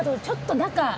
ちょっと中。